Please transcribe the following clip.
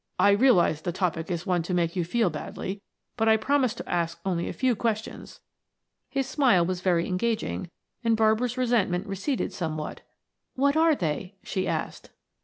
"I realize the topic is one to make you feel badly; but I promise to ask only few questions." His smile was very engaging and Barbara's resentment receded somewhat. "What are they?" she asked.